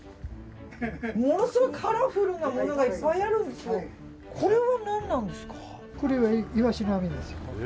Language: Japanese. ものすごいカラフルなものがいっぱいあるんですけどこれはイワシの網ですよ。